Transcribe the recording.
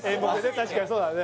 確かにそうだね